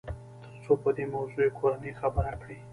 تر څو په دې موضوع يې کورنۍ خبره کړي.